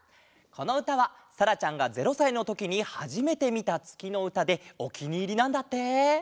このうたはさらちゃんが０さいのときにはじめてみたつきのうたでおきにいりなんだって！